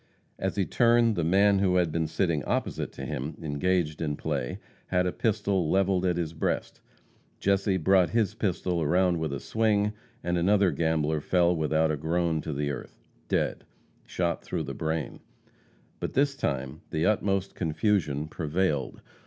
As he turned, the man who had been sitting opposite to him, engaged in play, had a pistol leveled at his breast. Jesse brought his pistol around with a swing, and another gambler fell without a groan to the earth dead! shot through the brain. By this time the utmost confusion prevailed.